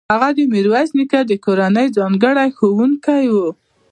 هغه د میرویس نیکه د کورنۍ ځانګړی ښوونکی و.